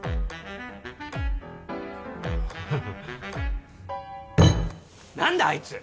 はは何だあいつ！